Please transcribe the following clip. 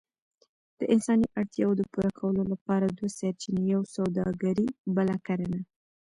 د انساني اړتياوو د پوره کولو لپاره دوه سرچينې، يوه سووداګري بله کرنه.